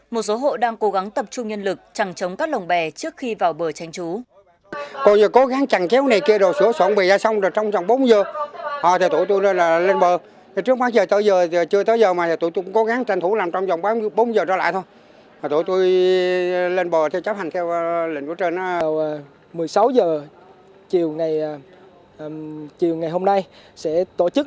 một số hộ đang cố gắng tập trung nhân lực chẳng chống các lồng bè trước khi vào bờ tranh chú